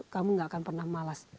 kamu gak akan pernah malas